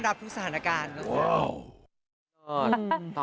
ต้อนรับทุกสถานการณ์